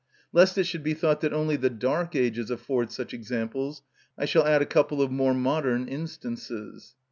Lest it should be thought that only the dark ages afford such examples, I shall add a couple of more modern instances.